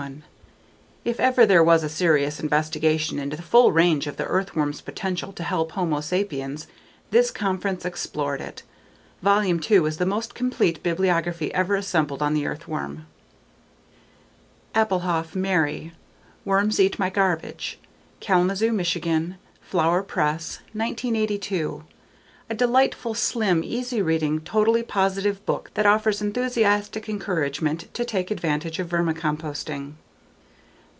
If ever there was a serious investigation into the full range of the earthworm's potential to help Homo Sapiens, this conference explored it. Volume II is the most complete bibliography ever assembled on the earthworm. Appelhof, Mary. Worms Eat My Garbage. Kalamazoo, Michigan: Flower Press, 1982. A delightful, slim, easy reading, totally positive book that offers enthusiastic encouragement to take advantage of vermicomposting.